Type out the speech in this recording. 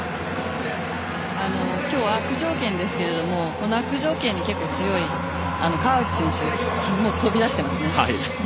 今日は悪条件ですがこの悪条件に結構強い川内選手はもう飛び出していますね。